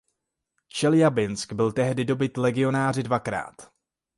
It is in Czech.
Čeljabinsk byl tehdy dobyt legionáři dvakrát.